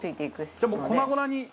じゃあもう粉々に。